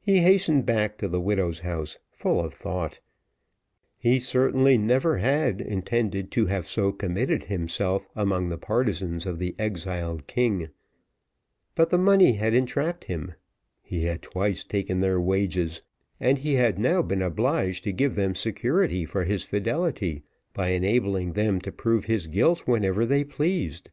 He hastened back to the widow's house, full of thought he certainly had never intended to have so committed himself as he had done, or to have positively enrolled himself among the partisans of the exiled king; but the money had entrapped him he had twice taken their wages, and he had now been obliged to give them security for his fidelity, by enabling them to prove his guilt whenever they pleased.